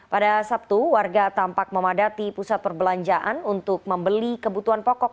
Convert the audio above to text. pada sabtu warga tampak memadati pusat perbelanjaan untuk membeli kebutuhan pokok